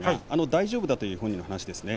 大丈夫だという本人の話です。